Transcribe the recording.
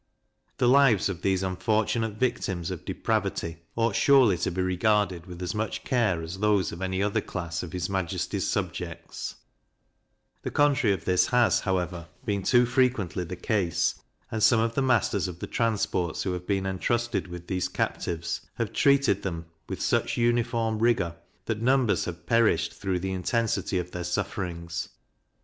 The lives of these unfortunate victims of depravity ought surely to be regarded with as much care as those of any other class of his Majesty's subjects; the contrary of this has, however, been too frequently the case, and some of the masters of the transports who have been entrusted with these captives, have treated them with such uniform rigour that numbers have perished through the intensity of their sufferings.